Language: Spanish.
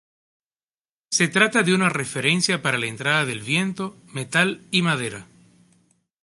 Se trata de una referencia para la entrada del viento, metal y madera.